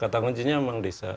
kata kuncinya memang desa